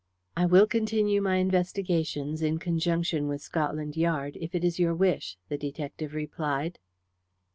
"I will continue my investigations in conjunction with Scotland Yard, if it is your wish," the detective replied.